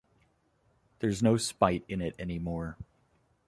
There's no spite in it any more.